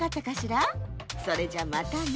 それじゃまたね。